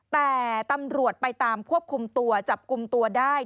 แต่ตำรวจไปตามควบคุมตัวจับกลุ่มตัวได้